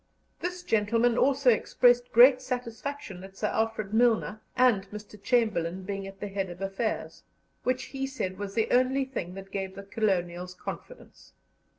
This gentleman also expressed great satisfaction at Sir Alfred Milner and Mr. Chamberlain being at the head of affairs, which he said was the only thing that gave the colonials confidence.